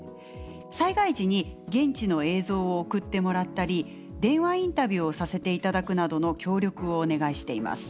災害時に現地の映像を送ってもらったり電話インタビューをさせていただくなどの協力をお願いしています。